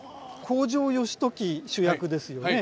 北条義時主役ですよね。